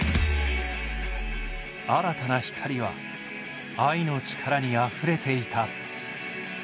新たな光は愛の力にあふれていた。